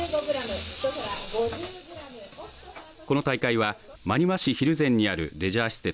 この大会は真庭市蒜山にあるレジャー施設